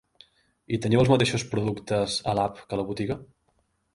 I teniu els mateixos productes a l'app que a la botiga?